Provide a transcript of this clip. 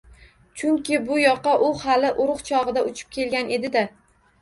Chunki buyoqqa u hali urug‘ chog‘ida uchib kelgan edi-da.